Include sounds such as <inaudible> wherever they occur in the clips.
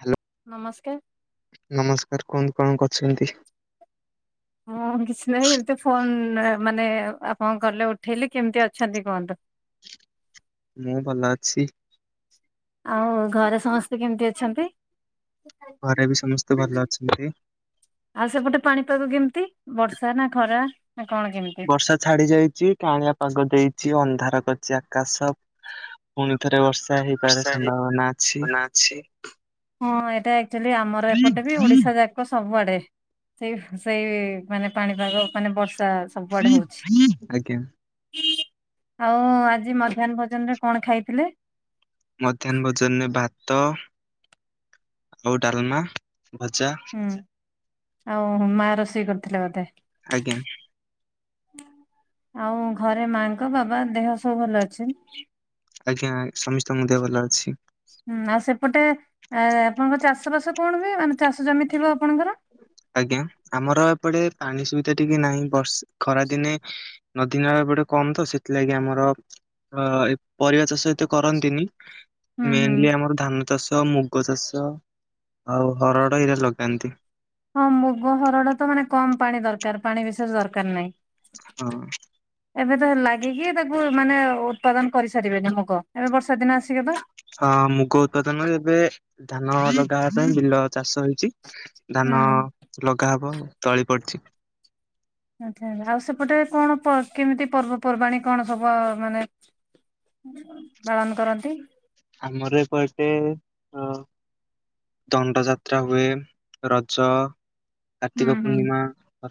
Hello. ନମସ୍କାର। ନମସ୍କାର କଣ କଣ କରୁଛନ୍ତି? ହଁ କିଛି ନାହିଁ ଏମିତି ଫୋନ ମାନେ ଆପଣଙ୍କ ଗଲେ ଉଠେଇଲେ କେମିତି ଅଛନ୍ତି କୁହନ୍ତୁ? ମୁଁ ଭଲ ଅଛି। ଆଉ ଘରେ ସମସ୍ତେ କେମିତି ଅଛନ୍ତି? ଘରେ ବି ସମସ୍ତେ ଭଲ ଅଛନ୍ତି। ଆଉ ସେପଟେ ପାଣିପାଗ କେମିତି ବର୍ଷା ନା ଖରା ନା କଣ କେମିତି? ବର୍ଷା ଛାଡି ଯାଇଛି କାଆଁଳିଆ ପାଗ ଦେଇଛି ଅନ୍ଧାର କରିଛି ଆକାଶ ପୁଣି ଥରେ ବର୍ଷା ହେଇପାରେ ସମ୍ଭାବନା ଅଛି। ନାଛି। ହଁ ଏଇଟା ଆକ୍ଚୁଆଲି ଆମର ଏପଟେ ବି ଓଡିଶା ଯା ଲୋକ ସବୁଆଡେ ସେଇ ସେଇ ମାନେ ପାଣିପାଗ ମାନେ ବର୍ଷା ସବୁଆଡେ ହଉଛି। ଆଜ୍ଞା ଆଉ ଆଜି ମଧ୍ୟାହ୍ନ ଭୋଜନ ରେ କଣ ଖାଇଥିଲେ? ମଧ୍ୟାହ୍ନ ଭୋଜନରେ ଭା ତ ଆଉ ଡାଲମା ଭଜା। ହୁଁ, ଆଉ ମା ରୋଷେଇ କରିଥିଲେ ବୋଧେ? ଆଜ୍ଞା। ଆଉ ଘରେ ମାଙ୍କ ବାବା ଦେହ ସବୁ ଭଲ ଅଛି? ଆଜ୍ଞା, ସମସ୍ତଙ୍କ ଦେହ ଭଲ ଅଛି। ହୁଁ, ଆଉ ସେପଟେ ଆପଣଙ୍କ ଚାଷ ବାସ କଣ ହୁଏ ମାନେ ଚାଷ ଜମି ଥିବ ଆପଣଙ୍କର? ଆଜ୍ଞା, ଆମର ଏପଟେ ପାଣି ସୁବିଧା ଟିକେ ନାହିଁ ବର୍ଷ ଖରା ଦିନେ ନଦୀ ନାଳ ଏପଟେ କମ ତ ସେଥିଲାଗି ଆମର ଅ ପରିବା ଚାଷ ଏତେ କରନ୍ତିନି। ହୁଁ ହୁଁ ମେନ୍ଲି ଆମର ଧାନ ଚାଷ ମୁଗ ଚାଷ ଆଉ ହରଡ଼ ଏଇରା ଲଗାନ୍ତି। ହଁ ମୁଗ ହରଡ ତ ମାନେ କମ ପାଣି ଦରକାର ପାଣି ବିଶେଷ ଦରକାର ନାହିଁ। ହଁ। ଏବେ ତ ଲାଗିକି ତାକୁ ମାନେ ଉତ୍ପାଦନ କରିସାରିବେନି ମୁଗ, ଏବେ ବର୍ଷା ଦିନ ଆସିକି ତ ହଁ ମୁଗ ଉତ୍ପାଦନ ଏବେ ଧାନ ଲଗାହବା ପାଇଁ ବିଲ ଚାଷ ହେଇଛି। ହୁଁ ଧାନ ଲଗା ହବ ତଳି ପଡଚି। ଆଚ୍ଛା, ଆଉ ସେପଟେ କଣ ପ କେମିତି ପର୍ବପର୍ବାଣିୀ କଣ ସବ ମାନେ ପାଳନ କରନ୍ତି? ଆମର ଏପଟେ ଅ ଦଣ୍ଡ ଯାତ୍ରା ହୁଏ, ରଜ। ହୁଁ କାର୍ତ୍ତିକ ହୁଁ ପୂର୍ଣ୍ଣିମା,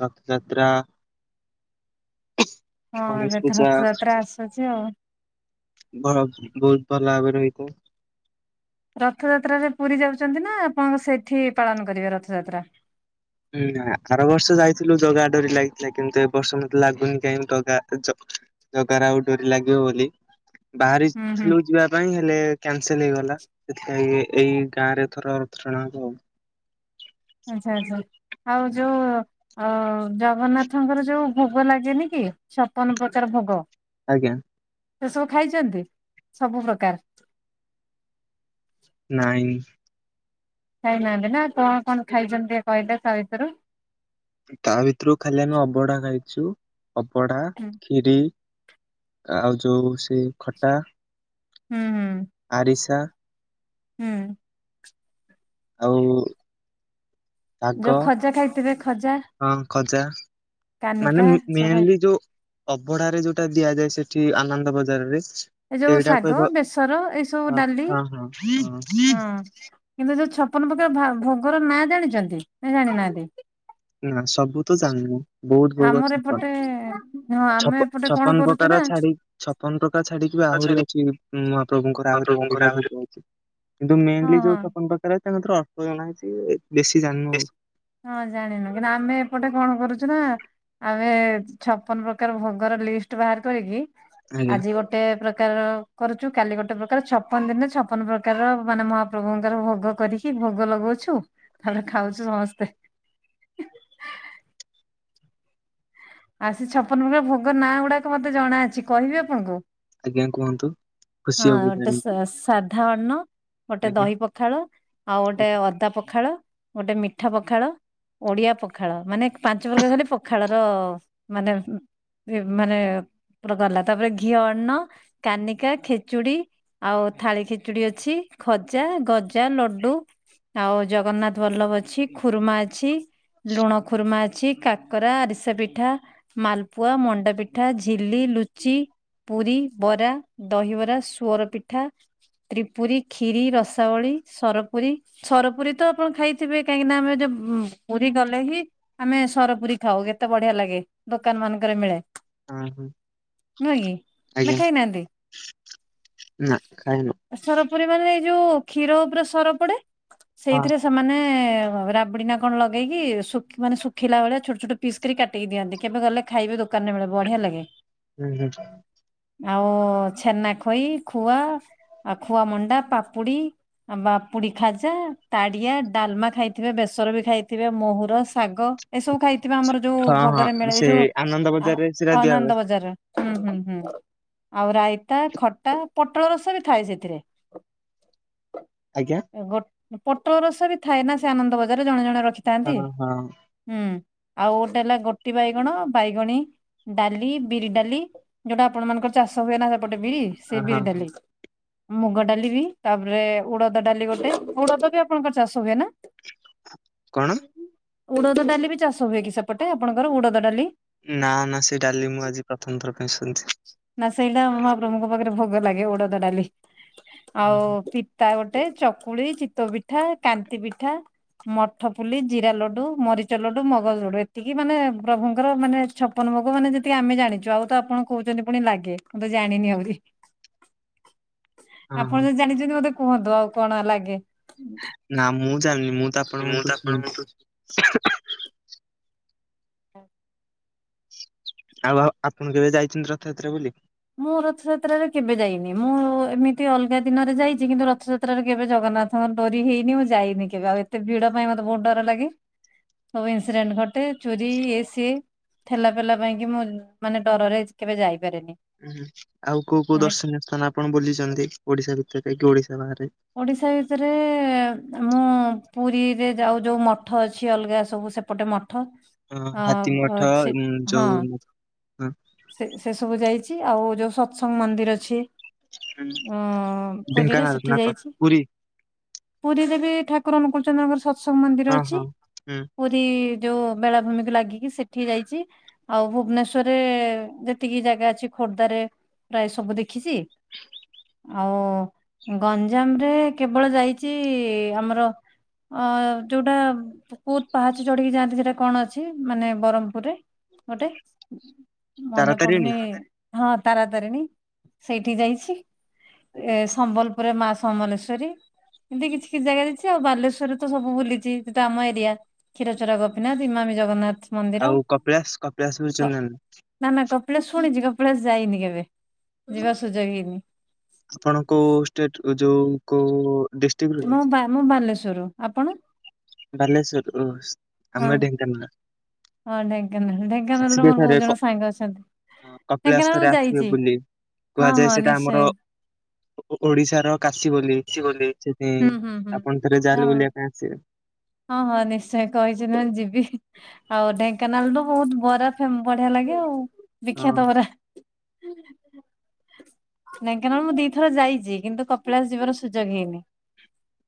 ରଥଯାତ୍ରା। ହଁ ଗଣେଶ ଏବେ ତ ପୂଜା ରଥଯାତ୍ରା ଆସୁଚି ଆଉ। ବ ହ ବହୁତ ଭଲ ଭାବରେ ହୋଇଥାଏ। ରଥଯାତ୍ରାରେ ପୁରୀ ଯାଉଛନ୍ତି ନା ଆପଣ ସେଠି ପାଳନ କରିବେ ରଥଯାତ୍ରା? ହୁଁ ଆର ବର୍ଷ ଯାଇଥିଲୁ ଜଗା ଡୋରି ଲାଗିଥିଲା କିନ୍ତୁ ଏ ବର୍ଷ ମତେ ଲାଗୁନି କାଇଁ ଜଗା ଜଗାର ଆଉ ଡୋରି ଲାଗିବ ବୋଲି, ହୁଁ ହୁଁ ବାହାରିଥିଲୁ ଯିବା ପାଇଁ ହେଲେ କ୍ୟାନସେଲ ହେଇଗଲା ସେଥିପାଇଁ ଏଇ ଗାଁ ରେ ଏଥର ରଥଟଣା ହବ ଆଉ। ଆଚ୍ଛା ଆଚ୍ଛା, ଆଉ ଯୋଉ ଅ ଜଗନ୍ନାଥଙ୍କର ଯୋଉ ଭୋଗ ଲାଗେନି କି ସପନ ପ୍ରକାର ଭୋଗ। ଆଜ୍ଞା। ସେ ସବୁ ଖାଇଛନ୍ତି ସବୁ ପ୍ରକାର? ନାଇଁ। ଖାଇନାହାନ୍ତି ନା କଣ କଣ ଖାଇଛନ୍ତି ଟିକେ କହିଲେ ତା ଭିତୁରୁ? ତା ଭିତରୁ ଖାଲି ଆମେ ଅବଢା ଖାଇଛୁ ଅବଢା, ହୁଁ କ୍ଷୀରି ଆଉ ଯୋଉ ସେ ଖଟା। ହୁଁ ହୁଁ। ଆରିଶା। ହୁଁ। ଆଉ ଶାଗ ଯୋଉ ଖଜା ଖାଇଥିବେ ଖଜା? ହଁ ଖଜା ମାନେ କାନିକା ମା ସବୁ ଖାଇ ମେନ୍ଲି ଯୋଉ ଅଭଢାରେ ଯୋଉଟା ଦିଆଯାଏ ସେଠି ଆନନ୍ଦ ବଜାରରେ ଏ ଯୋଉ ସେଇଟା ଶାଗ କହିବ ବେସର ଏଇସବୁ ହଁ ଡାଲି ହଁ ହଁ। ହଁ। କିନ୍ତୁ ଯୋଉ ଛପନ ପକାର ଭା ଭୋଗର ନାଁ ଜାଣିଚନ୍ତି, ନା ଜାଣି ନାହାନ୍ତି। ନା ସବବୁତ ଜାଣିନି। ବହୁତ୍, ବହୁତ୍ ଭୋଗ ଆମର ଏପଟେ ଚ୍ଛପାନ୍ତି, ହଁ ଆମେ ଛପନ ଏପଟେ ଛ କଣ ଛପନ କରୁଛୁ ନା ପ୍ରକାର ଛାଡ଼ିକି ଛପ୍ ଛପନ ପ୍ରକାର ଛାଡ଼ିକିବି ଆହୁରି ଛାଡି ଅଛି ମହାପ୍ରଭୁଙ୍କର ଆହୁରି ମହାପ୍ରଭୁଙ୍କର ଅଧିକା ଆହୁରି ଭୋଗ ଅଛି। କିନ୍ତୁ ହଁ ମେନ୍ଲି ଯୋଉ ହଁ ଛପନ ପ୍ରକର ଅଛି ତାଭିତେରୁ ଅଳ୍ପ ଜାଣିଚି ବେଶୀ ଜାଣିନି। ହଁ, ଜାଣିନୁ କିନ୍ତୁ ଆମେ ଏପଟେ କଣ କରୁଚୁନା ଆମେ ଛପନ ପ୍ରକାର ଭୋଗର ଲିଷ୍ଟ ବାହାର କରିକି ଆଜ୍ଞା ଆଜି ଗୋ ଗୋଟେ ପ୍ରକାର କରୁଚୁ କାଲି ଗୋଟେ ପ୍ରକାର ଛପନ ଦିନ ଛପନ ପ୍ରକାର ମାନେ ମହାପ୍ରଭୁଙ୍କର ଭୋଗ କରି କି ଭୋଗ ଲଗାଉଛୁ ତାପରେ ଖାଉଛୁ ସମସ୍ତେ। ଆଉ ସେଛପନ ପ୍ରକାର ଭୋଗ ନାଁ ଗୁଡ଼ାକ ମତେ ଜଣା ଅଛି କହିବି ଆପଣଙ୍କୁ? ଆଜ୍ଞା, କୁହନ୍ତୁ? ଖୁସି ହଁ, ହବୁ ତ ସା, ଜାଣିକି ଶା ଅଧା ଅନ୍ନ ଗୋଟେ ଆଜ୍ଞା। ଦହି ପଖାଳ ଆଉ ଗୋଟେ ଅଦା ପଖାଳ ଗୋଟେ ମିଠା ପଖାଳ ଓଡିଆ ପଖାଳ ମାନେ ପାଞ୍ଚ ପ୍ରକାର ଖାଲି ପଖାଳର ମାନେ ଏ ମାନେ ପୁରା କଲା ତାପରେ ଘିଅ ଅର୍ନ କାନିକା ଖେ ଖିଚୁଡି ଆଉ ଥାଳି ଖେଚୁଡ଼ି ଅଛି ଖଜା ଗଜା ଲଡୁ। ଆଉ ଜଗନ୍ନାଥ ବଲ୍ଲଭ ଅଛି ଖୁର୍ମା ଅଛି। ଲୁଣ ଖୁର୍ମା ଅଛି କାକରା ଆରିସା ପିଠା। ମାଲ୍ ପୁଆ, ମଣ୍ଡା ପିଠା, ଝିଲି, ଲୁଚି, ପୁରୀ, ବରା, ଦହିବରା ସୁଅର ପିଠା, ତ୍ରିପୁରୀ, ଖିରି, ରସାବଳି, ସରପୁରୀ ସରପୁରୀତ ଆପଣ ଖାଇଥିବେ--କାହିଁକିନା ଆମେ ଯୋ ବୋ, ବୋ ପୁରୀ ଗଲେହି ଆମେ ସରପୁରୀ ଖାଉ ଏତେ ବଢ଼ିଆ ଲାଗେ। ଦୋକନ୍ ମାନଙ୍କରେ ମିଳେ ହଁ ହଁ ନୁହଁକି ନା ଆଜ୍ଞା ଖାଇନାହାନ୍ତି? ନା ଖାଇନୁ। ସରପରିମାଣ ଏଇ ଯୋଉ କ୍ଷୀର ଉପରେ ସର ପଡ଼େ ହଁ ସେଇଥିରେ ସେ ସେମାନେ ଏ ରାବିଡ୍ ନାକଣ ଲଗେଇକି ସୁଖି ମାନେ ସୁ ଶୁଖିଲା ବେଳେ ଛୋଟ ଛୋଟ ପିସ୍ ଥିରେ କାଟିକି ଦିଅନ୍ତି, କେବେ ଗଲେ ଖାଇବେ ଦୋକାନରେ ମିଳେ ବଢିଆ ଲାଗେ। ଉଁ, ହୁଁ। ଆଉ ଛେନା ଖଇ, ଖୁଆ, ଆଉ ଖୁଆ ମଣ୍ଡା, ପାମ୍ପୁଡ଼ି ଆମ୍ ପୁଡ଼ି ଖାଜା, ତାଡ଼ିଆ, ଡାଲମା, ଖାଇଥିବେ, ବେସରବି ଖାଇଥିବେ, ମହୁୁର ଶାଗ ଏସବୁ ଖାଇଥିବା ଆମର ଯୋଉ ଉ ଉ ହଁ ଭୋଗରେ ହଁ ମିଳେ ଏଇ ସେ ଯୋଉ ଆନନ୍ଦ ଆ ବଜାରରେ ସେଟା ଦିଆ ଅନନ୍ଦ ହୁଏ ବଜାରର। ହୁଁ, ହୁଁ, ହୁଁ, ଆଉ ରାଇତା, ଖ ତା ପୋଟଳ ରସବି ଥାଏ ସେଥିରେ। ଆଜ୍ଞା। ଗୋ ପୋଟଳ ରସବି ଥାଏନା ସେ ଆନନ୍ଦ ବଜାରରେ ଜଣେ, ଜଣେ ରଖିଥାନ୍ତି। ହଁ ହଁ ହୁଁ, ଆଉ ଗୋଟେ ହେଲା ଗୋଟି ବାଇଗଣ, ବାଇଗଣୀ ଡାଲି, ବିରି ଡାଲି, ଯୋଉଟା ଆପଣ ମାନଙ୍କର ଚାଷ ହୁଏନା ସେପଟେ ବିରି। ହଁ ସେ ହଁ। ବିରି ଡାଲି ମୁଗ ଡାଲି ବି ତାପରେ ଉଡ଼ଦ ଡାଲି ଗୋଟେ ଉଡଦ ବି ଆପଣଙ୍କର ଚାଷ ହୁଏ ନା? <unintelligible> ଉଡ଼ଦ ଡାଲି ବି ଚାଷ ହୁଏ କି ସେପଟେ ଆପଣଙ୍କର ଉଡ଼ଦ ଡାଲି ନା ନା ସେ ଡାଲି ମୁଁ ଆଜି ପ୍ରଥମ ଥର ପାଇଁ ଶୁଣୁଚି। ନା ସେଇଟା ମହାପ୍ରଭୁଙ୍କ ପାଖରେ ଭୋଗ ଲାଗେ ଓଡ଼ଦ ଡାଲି ଆଉ ହଁ ପି ତା ଗୋଟେ ଚକୁଳି, ଚିତୋଉ ପିଠା, କାନ୍ତି ପିଠା ମଠପୁଲି, ଜିରା ଲଡୁ, ମରିଚ ଲଡୁ, ମଗଜ ଲଡୁ, ଏତିକି ମାନେ ପ୍ରଭୁଙ୍କର ମାନେ ଛପନ ଭୋଗ ମାନେ ଯେତିକି ଆମେ ଜାଣିଚୁ ଆଉ ତ ଆପଣଙ୍କୁ କୋହୁଚନ୍ତି ପୁଣି ଲାଗେ ମୁଁ ତ ଜାଣିନି ଆହୁରି ଆପଣ ହଁ ଯଦି ଜାଣି ଚନ୍ତି ମତେ କୁହନ୍ତୁ ଆଉ କଣ ଲାଗେ। ନା ମୁଁ ଜାଣିନି ମୁଁ ତ ଆପଣଙ୍କଠୁ ଶୁ ଉଁ ଅ। ଆଉ ଆଉ ଆପଣ କେବେ ଯାଇଚନ୍ତି ରଥଯାତ୍ରା ବୁଲି? ମୁଁ ରଥଯାତ୍ରାରେ କେବେ ଯାଇନି ମୁଁ ଏମିତି ଅଲଗା ଦିନରେ ଯାଇଚି କିନ୍ତୁ ରଥଯା ତ୍ରାରେ କେବେ ଜଗନାଥଙ୍କ ଡରି ହେଇନି ମୁଁ ଯାଇନି କେବେ ଆଉ ଏତେ ଭିଡ ପାଇଁ ମତେ ବୋହୁତ ଡର ଲାଗେ। ସବୁ ଇନସିଡେଣ୍ଟ ଘଟେ ଚୋରି ଇଏ ସିଏ ଠେଲାପେଲା ପାଇଁ କି ମୁଁ ମାନେ ଡରରେ କେବେ ଯାଇପାରେନି। ହଁ ଆଉ କୋଉ କୋଉ ମାନେ ଦର୍ଶନୀୟ ସ୍ଥାନ ଆପଣ ବୁଲିଚନ୍ତି ଓଡିଶା ଭିତରେ କି ଓଡିଶା ବାହାରେ। ଓଡିଶା ଭିତରେ ମୁଁ ପୁରୀରେ ଯାଉ ଯୋଉ ମଠ ଅଛି ଅଲଗା ସବୁ ସେପଟେ ମ ଠ ହଁ ଅ ହାତୀ ମଠ ଅଛି ଉଁ ହଁ। ଯୋଉ ହଁ ସେ ସେ ସବୁ ଯାଇଚି ଆଉ ଯୋଉ ସତସଙ୍ଗ ମନ୍ଦିର ଅଛି। ଉଁ ପୁରୀରେ ଢେଙ୍କାନାଳ ସେ ନା କଣ ହେଇଚି ପୁରୀ। ପୁରୀରେ ବି ଠାକୁର ଅନୁକୂଳଚନ୍ଦ୍ରଙ୍କର ସତସଙ୍ଗ ମନ୍ଦିର ହଁ ଅଛି। ହଁ ହୁଁ। ପୁରୀ ଯୋଉ ବେଳାଭୂମିକୁ ଲାଗିକି ସେଠି ଯାଇଚି ଆଉ ଭୁବନେଶ୍ଵରେ ଯେତିକି ଜାଗା ଅଛି ଖୋର୍ଦ୍ଧାରେ ପ୍ରାଏ ସବୁ ଦେଖିଚି ଆଉ ଗଞ୍ଜାମରେ କେବଳ ଯାଇଚି ଆମର ଅ ଯୋଉଟା କୋଉତ ପାହାଚ ଚଢ଼ିକି ଯାଆନ୍ତି ସେଟା କଣ ଅଛି ମାନେ ବରମପୁରରେ? ଗୋଟେ ତାରା ମନେ ତାରିଣୀ ପଡ଼ୁନି ହଁ ତାରାତାରିଣୀ ସେଇଠି ଯାଇଛି। ଏ ସମ୍ବଲପୁରେ ମା ସମଲେଶ୍ଵରୀ। ଏମତି କିଛି କିଛି ଜାଗା ଯାଇଛି ଆଉ ବାଲେଶ୍ୱରରେ ତ ସବୁ ବୁଲିଚି ସେଟା ଆମ ଏରିଆ। କ୍ଷୀରଚୋରା ଗୋପୀନାଥ, ଇମାମୀ ଜଗନ୍ନାଥ। ମନ୍ଦିର ଆଉ କପିଳାସ କପିଳାସକୁ ଚିହ୍ନିନାହାନ୍ତି। ନାଁ ନାଁ କପିଳାଶ ଶୁଣିଚି କପିଳାଶ ଯାଇନି କେବେ ଯିବାର ସୁଯୋଗ ହେଇନି। ଆପଣ କୋଉ ଷ୍ଟେଟ୍ ଉ ଯୋଉ କୋଉ ଡିଷ୍ଟ୍ରିକ୍ଟ ରୁ କି? ମୁଁ ବା ମୁଁ ବାଲେଶ୍ଵର ଆପଣ? ବାଲେଶ୍ୱରରୁ ଓସ୍ ହଁ ଆମେ ଢ଼େଙ୍କାନାଳ ହଁ ଢ଼େଙ୍କାନାଳ ଢ଼େ ଆସିବେ ଥରେ କ ହଁ କପିଳାସ ଢେଙ୍କାନାଳ ମୁଁ ଥରେ ଆସିବେ ଯାଇଛି ବୁଲି। ହଁ କୁହାଯାଏ ହଁ ସେଟା ନିଶ୍ଚୟ। ଆମର ଓ ଓ ଓଡ଼ିଶାର କାଶୀ ବୋଲି ସେଥିପାଇଁ ହୁଁ ହୁଁ ହୁଁ ଆପଣ ଥରେ ହଁ ଯାହେଲେ ବୁଲିବା ପାଇଁ ଆସିବେ। ହଁ ହଁ ନିଶ୍ଚୟ କହିଚନ୍ତି ମାନେ ଯିବି। ଆଉ ଢ଼େଙ୍କାନାଳୁ ବୋହୁତ ବରା ଫେମ୍ ବଢ଼ିଆ ଲାଗେ ଆଉ ହଁ। ବିଖ୍ୟାତ ବରା। <inaudible> ହୁଁ ହୁଁ ନେଙ୍କାନାଳୁ ମୁଁ ଦି ଥର ଯାଇଚି କିନ୍ତୁ କପିଳାସ ଯିବାର ସୁଯୋଗ ହେଇନି।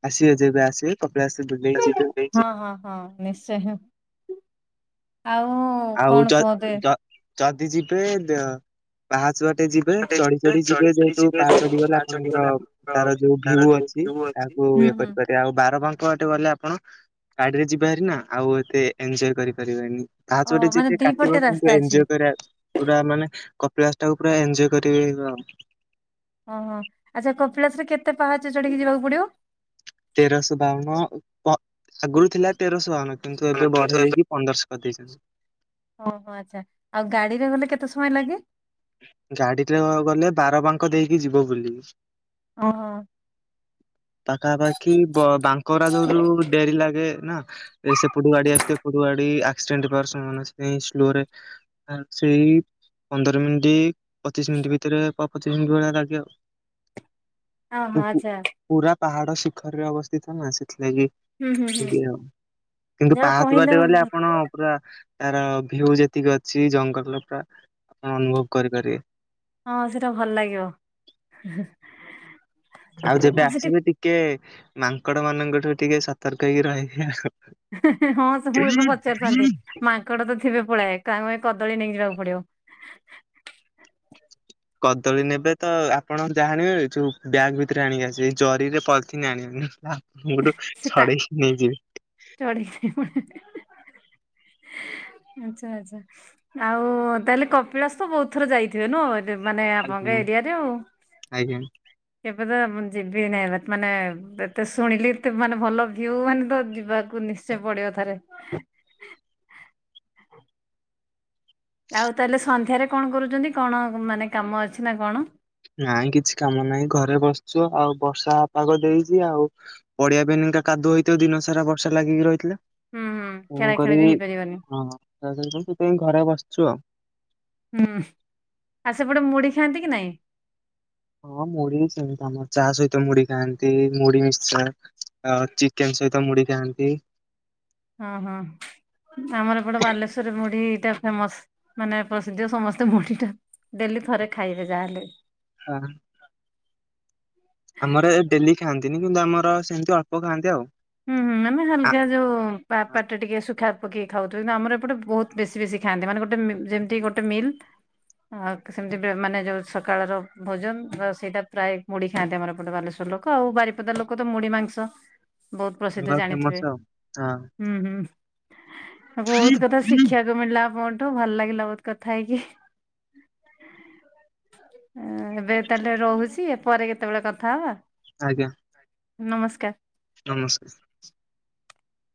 ଆସିବେ ଯେବେ ଆସିବେ କପିଳାଶ ବୁଲି ଯିବେ। ହଁ ହଁ ହଁ ନିଶ୍ଚୟ ହେଁ। ଆଉ ଆଉ କଣ ଯ କୁହନ୍ତି? ଯ ଯଦି ଯିବେ ଦେ ପାହାଚ ବାଟେ ଯିବେ ଗୋଟେ ଚଢ଼ିି ଚଢ଼ି ଚଢି ଯିବେ ଚଢି ଯେହେତୁ ଯିବେ ପାହା ଚଢ଼ି ଯୋଉ ଗଲେ ମା ଆପଣଙ୍କର ଚଢିଗଲେ ଆପଣଙ୍କର ତାର ଯୋଉ ଭିୟୁ ଯୋଉ ଅଛ୍ ତି ଭିଉ ଅଛି। ତାହାକୁ ହୁଁ ଇଏ ହୁଁ କରିପାର୍ ତେ ଆଉ ବାରବାଙ୍କ ଆଟେ ଗଲେ ଆପଣ ଗାଡ଼ିରେ ଯିବେ ହାରି ନାଁ ଆଉ ଏତେ ଏଞ୍ଜୟ କରିପାରିବେନି। ପାହା ଚଢ଼ି ଓହୋ ମାନେ ଯେତି ଦିପଟେ କାଟିବ ରାସ୍ତା କିନ୍ତୁ ଅଛି ଏଞ୍ଜଏ କରା ପୁରା ମାନେ କପିଳାସଟାକୁ ପୁରା ଏଞ୍ଜଏ କରିବ। ହଁ ହଁ ଆଚ୍ଛା କପିଳାସରେ କେତେ ପାହାଚ ଚଢ଼ିକି ଯିବାକୁ ପଡ଼ିବ? ତେରଶ ବାଉନ କ ଆଗୁରୁ ଥିଲା ତେରଶହ ବାଉନ କିନ୍ତୁ ଏବେ ବଢ଼େଇ ଦେଇକି ପନ୍ଦର୍ଶ କରି ଦେଇଚନ୍ତି। ଅଁ ହଁ ଆଚ୍ଛା ଆଉ ଗାଡ଼ିରେ ଗଲେ କେତେ ସମୟ ଲାଗେ? ଗାଡ଼ିରେ ଗଲେ ବାରବାଙ୍କ ଦେଇକି ଯିବ ବୁଲିକି। ଅଁ ହଁ। ପାଖାପାଖି ବ ବାଙ୍କରା ଯୋଉରୁ ଡେରି ଲାଗେ ନାଁ। ଏ ସେପଟୁ ଗାଡ଼ି ଆସୁଥିବ ଏପଟୁ ଗାଡ଼ି ଆ ଷ୍ଟେଣ୍ଟି ପାରୁସଁ ମନସ୍ବିନୀ ସ୍ଲୋରେ ଆଁ ସେଇ ପନ୍ଦର ମିଣ୍ଟି ପଚିଶ ମିଣ୍ଟି ଭିତରେ ପ ପଚିଶ ମିଣ୍ଟି ଭଳିଆ ଲାଗେ ଆଉ। ଅଁ ପୁ ହଁ ଆଚ୍ଛା। ପୁରା ପାହାଡ଼ ଶିଖରରେ ଅବସ୍ଥିତ ନା ସେଥିଲାଗି। ହୁଁ ହୁଁ ହୁଁ ଇବି ଆଉ କିନ୍ତୁ ଯାହା ପାହାଚ କହିଲେ ବାଟେ ଗଲେ ହଁ ଆପଣ ପୁରା ତାର ଭିଉ ଯେତିକି ଅଛି ଜଙ୍ଗଲଟା ଅନୁଭବ କରିପାରିବେ। ହଁ ସେଟା ଭଲ ଲାଗିବ। ଆଉ ଯେବେ ଆସିବେ ଟିକେ ମାଙ୍କଡ଼ମାନଙ୍କଠୁ ଟିକେ ସତର୍କ ହେଇକି ରହିବେ ଆଉ। ହଁ ସେ ମୁଁ ଏବେ ପଚାରିଥାନ୍ତି। ମାଙ୍କଡ଼ ତ ଥିବେ ପଳାଏ କ ଆମେ କଦଳୀ ନେଇ ଯିବାକୁ ପଡ଼ିବ। କଦଳୀ ନେବେ ତ ଆପଣ ଯାହା ନେବେ ଯୋଉ ବ୍ୟାଗ୍ ଭିତରେ ଆଣିକି ଆସିବେ ଜରିରେ ପ ଥିନ ଆଣିବେନି ଲା ମୋଠୁ ଛଡ଼େଇକି ନେଇଯିବେ। ଛଡ଼େଇକି ନେଇ ପଳେଇବେ ଆଚ୍ଛା ଆଚ୍ଛା। ଆଉ ତାହେଲେ କପିଳାସ ତ ବହୁତ ଥର ଯାଇଥିବେ, ନୁହଁ? ଦେ ମାନେ ଆପଣଙ୍କ ଆଜ୍ଞା ଏରିିଆରେ ଓ। ଆଜ୍ଞା। ଏବେ ତ ମୁଁ ଯିବି ଏନେଇ ମା ମାନେ ଏତେ ସ୍ ଶୁଣିଲି ଏତେ ମାନେ ଭଲ ଭିଉ ମାନେ ତ ଯିବାକୁ ନିଶ୍ଚୟ ପଡ଼ିବ ଥରେ। ଆଉ ତାହେଲେ ସନ୍ଧ୍ୟାରେ କଣ କରୁଚନ୍ତି କଣ ମାନେ କାମ ଅଛି ନାଁ କଣ? ନାଇଁ କିଛି କାମ ନାହିଁ ଘରେ ବସିଚୁ ଆଉ ବର୍ଷା ପାଗ ଦେଇଚି ଆଉ। ପଡ଼ିଆ ପା ଏଇନିଙ୍କା କାଦୁଅ ହେଇଥିବ ଦିନ ସାରା ବର୍ଷା ଲାଗିକି ରହିଥିଲା। ହୁଁ ହୁଁ ମୁଁ ଖେଳା ଖେଳି କଲି ବି ହେଇପାରିବନି ହଁ ତା ସହିତ ସେଇପାଇଁ ଘରେ ବସଚୁ ଆଉ। ହୁଁ ଆ ସେପଟେ ମୁଢ଼ି ଖାଆନ୍ତି କି ନାଇଁ? ହଁ ମୁଢ଼ି ବି ସେମିତି ଆମର ଚା ସହିତ ମୁଢ଼ି ଖାଆନ୍ତି ମୁଢ଼ି ମିକ୍ସଚର ଆଉ ଚିକେନ୍ ସହିତ ମୁଢ଼ି ଖାଆନ୍ତି। ହଁ ହଁ ଆମର ଏପଟେ ବାଲେଶ୍ଵରରେ ମୁଢ଼ିଟା ଫେମସ୍। ମାନେ ପ୍ରସିଦ୍ଧ ସମସ୍ତେ ମୁଢ଼ିଟା ଡେଲି ଥରେ ଖାଇବେ ଯାହା ହେଲେ। ଅହ। ଆମର ଡେଲି ଖାଆନ୍ତିନି କିନ୍ତୁ ଆମର ସେମିତି ଅଳ୍ପ ଖାଆନ୍ତି ଆଉ। ହୁଁ ହୁଁ ଆମେ ହାଲକା ଯୋଉ ପା ଆ ପାଟିରେ ଟିକେ ସୁଖା ପକେଇ ଖାଉଥିବେ କିନ୍ତୁ ଆମର ଏପଟେ ବହୁତ- ବେଶୀ ବେଶୀ ଖାଆନ୍ତି ମାନେ ଗୋଟେ ଯେମିତି ଗୋଟେ ମିଲ୍ ଆଉ ସେମିତି ମାନେ ଯୋଉ ସକାଳର ଭୋଜନ ସେଇଟା ପ୍ରାୟ ମୁଡି ଖାଆନ୍ତି ଆମର ଏପଟେ ବାଲେଶ୍ବର ଲୋକ ଆଉ ବାରିପଦା ଲୋକ ତ ମୁଢି ମାଂସ ବହୁତ ପ୍ରସିଦ୍ଧ ଜାଣିଥିବେ। ଫେମସ ଆଉ ହଁ ହୁଁ ହୁଁ ବହୁତ କଥା ଶିଖିବାକୁ ମିଳିଲା ଆପଣ ଭଲ ଲାଗିଲା ବହୁତ କଥା ହେଇକି। ଏବେ ତାହେଲେ ରହୁଛି ପରେ କେତେବେଳେ କଥା ହବା? ଆଜ୍ଞା। ନମସ୍କାର। ନମସ୍କାର। ସ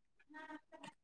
ଚ